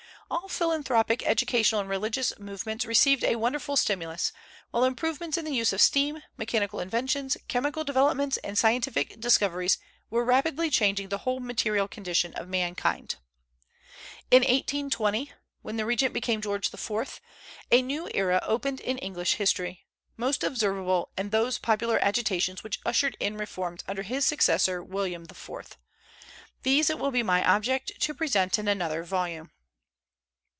All philanthropic, educational, and religious movements received a wonderful stimulus; while improvements in the use of steam, mechanical inventions, chemical developments and scientific discoveries, were rapidly changing the whole material condition of mankind. In 1820, when the regent became George IV., a new era opened in English history, most observable in those popular agitations which ushered in reforms under his successor William IV. These it will be my object to present in another volume.